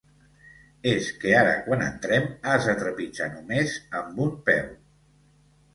És que ara quan entrem has de trepitjar només amb un peu.